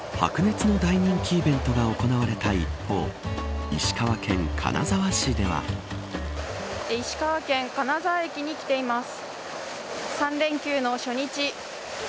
白熱の大人気イベントが行われた一方石川県、金沢駅に来ています。